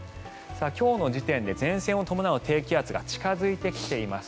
今日の時点で前線を伴う低気圧が近付いてきています。